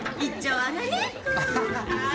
アハハハー！